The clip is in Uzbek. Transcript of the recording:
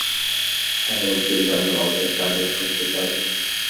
ayrim sheʼrlarni ogʻzaki tarjima qilib ketardim.